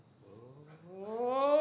お！